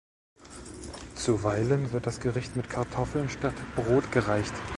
Zuweilen wird das Gericht mit Kartoffeln statt Brot gereicht.